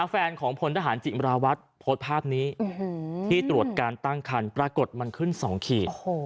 แฟนของพลทหารจิมราวัฒน์โพสต์ภาพนี้ที่ตรวจการตั้งคันปรากฏมันขึ้น๒ขีด